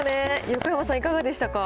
横山さん、いかがでしたか。